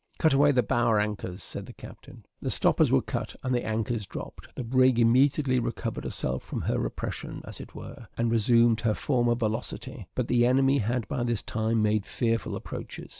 "Cut away the bower anchors," said the captain. The stoppers were cut, and the anchors dropped; the brig immediately recovered herself from her oppression, as it were, and resumed her former velocity; but the enemy had by this time made fearful approaches.